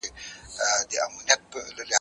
د هزارهګانو ژوند د تاجکانو ژوند دی